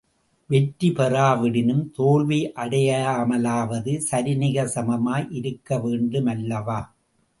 வெற்றி பெறாவிடினும் தோல்வி அடையாமலாவது சரி நிகர் சமமாய் இருக்கவேண்டுமல்லவா?